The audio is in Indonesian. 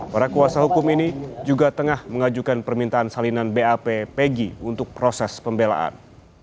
para kuasa hukum ini juga tengah mengajukan permintaan salinan bap pegi untuk proses pembelaan